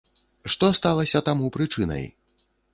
Што сталася таму прычынай?